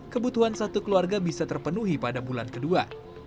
kebutuhan satu keluarga bisa terpenuhi pada bulan kedua